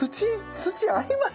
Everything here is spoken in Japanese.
土あります？